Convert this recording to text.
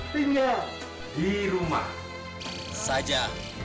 tinggal di rumah saja